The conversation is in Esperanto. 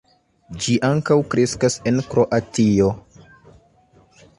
Ĝi ankaŭ kreskas en Kroatio.